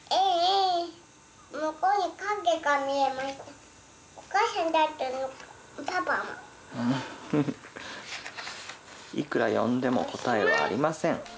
いくら呼んでも答えはありません。